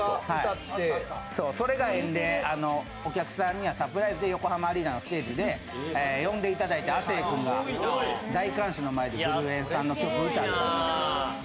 それが縁でお客さんにはサプライズで横浜アリーナのステージで呼んでいただいて亜生君が大歓声の前でブルエンさんの曲を歌ったんです。